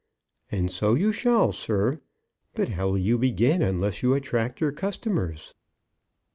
"And so you shall, sir. But how will you begin unless you attract your customers?"